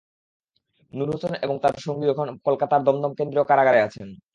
নূর হোসেন এবং তাঁর দুই সঙ্গী এখন কলকাতার দমদম কেন্দ্রীয় কারাগারে আছেন।